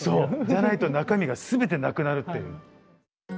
じゃないと中身が全てなくなるっていう。